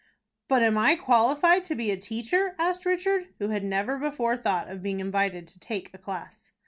"But am I qualified to be a teacher?" asked Richard, who had never before thought of being invited to take a class.